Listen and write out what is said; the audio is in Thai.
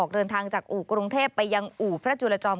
เดินทางจากอู่กรุงเทพไปยังอู่พระจุลจอม